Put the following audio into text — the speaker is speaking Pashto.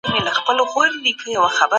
جنګونه د اقتصاد د خرابوالي سبب کیږي.